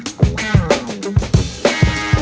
nggak ada yang denger